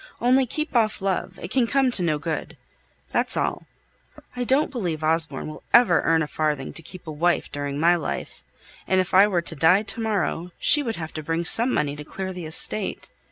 Only keep off love; it can come to no good. That's all. I don't believe Osborne will ever earn a farthing to keep a wife during my life, and if I were to die to morrow, she would have to bring some money to clear the estate.